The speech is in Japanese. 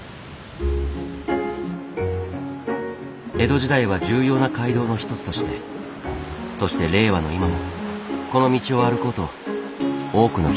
江戸時代は重要な街道の一つとしてそして令和の今もこの道を歩こうと多くの人がやって来る。